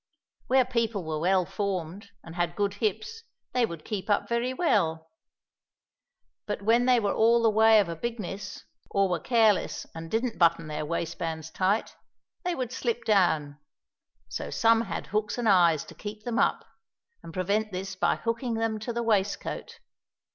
Where people were well formed, and had good hips, they would keep up very well; but when they were all the way of a bigness, or were careless and didn't button their waistbands tight, they would slip down; so some had hooks and eyes to keep them up, and prevent this by hooking them to the waistcoat.